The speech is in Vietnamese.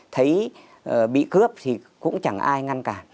thấy bị cướp thì cũng chẳng ai ngăn cả